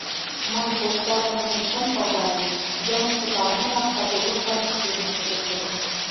Мый корштарымыжым шым палдаре: йымыше парнямак папирослан кӱсеныш чыкышым.